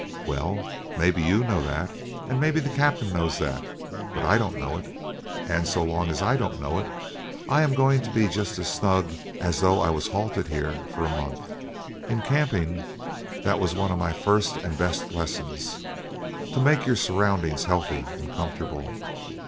Well, maybe you know that, and maybe the captain knows that, but I don't know it. And so long as I don't know it, I am going to be just as snug as though I was halted here for a month." In camping, that was one of my first and best lessons to make your surroundings healthy and comfortable.